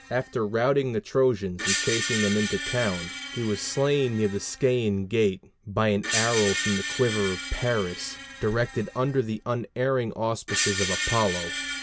After routing the Trojans and chasing them into the town, he was slain near the Scæan gate by an arrow from the quiver of Paris, directed under the unerring auspices of Apollo.